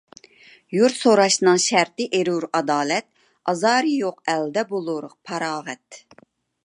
يۇرت سوراشنىڭ شەرتى ئېرۇر ئادالەت، ئازارى يوق ئەلدە بولۇر پاراغەت.